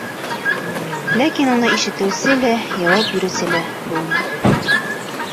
Ләкин уны ишетеүсе лә, яуап биреүсе лә булмай.